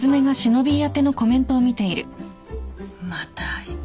またあいつ。